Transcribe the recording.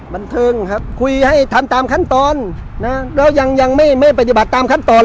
บันเทิงครับคุยให้ทำตามขั้นตอนนะแล้วยังยังไม่ปฏิบัติตามขั้นตอน